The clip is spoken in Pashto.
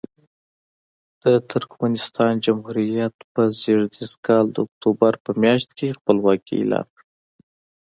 د ترکمنستان جمهوریت په زېږدیز کال د اکتوبر په میاشت کې خپلواکي اعلان کړه.